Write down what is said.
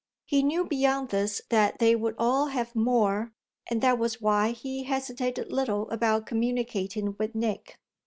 He knew beyond this that they would all have more, and that was why he hesitated little about communicating with Nick.